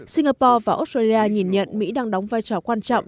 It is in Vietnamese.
singapore và australia nhìn nhận mỹ đang đóng vai trò quan trọng